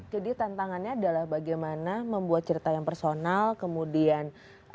jadi tantangannya adalah bagaimana membuat cerita yang personal kemudian